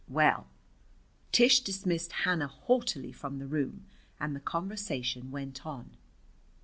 Well, Tish dismissed Hannah haughtily from the room, and the conversation went on.